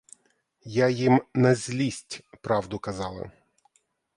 Я їм на злість правду казала.